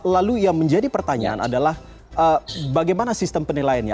lalu yang menjadi pertanyaan adalah bagaimana sistem penilaiannya